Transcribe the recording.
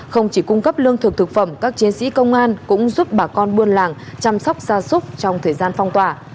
không chỉ cung cấp lương thực thực phẩm các chiến sĩ công an cũng giúp bà con buôn làng chăm sóc gia súc trong thời gian phong tỏa